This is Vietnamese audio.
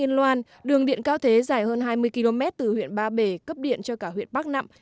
trong thời gian qua đường điện cao thế dài hơn hai mươi km từ huyện ba bể cấp điện cho cả huyện bắc nậm